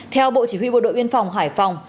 theo bộ chỉ huy bộ đội biên phòng hải phòng